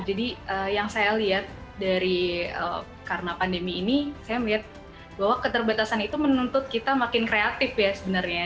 jadi yang saya lihat dari karena pandemi ini saya melihat bahwa keterbatasan itu menuntut kita makin kreatif ya sebenarnya